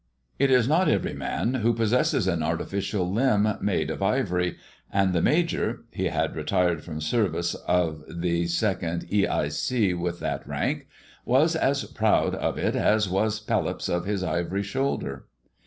t is not every man who possesses an artificial limb made 340 THE IVORY LEG AND TUE DIAMONDS of ivory, and the Major (he had retired from service of the II. E. I.e. with that rank) was as proud of it as was Pelops of his ivory shoulder.